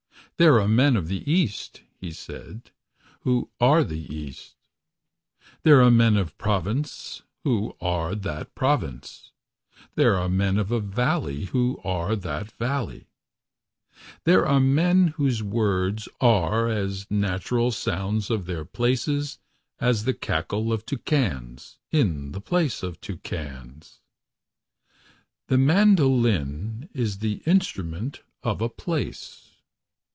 There are men of the East, he said. Who are the East. There are men of a province Who are that province . There are men of a valley Who are that valley. There are men whose words Are as natural sounds Of their places As the cackle of toucans In the place of toucans. The mandoline is the instrument Of a place